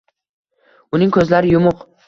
Uning ko`zlari yumuq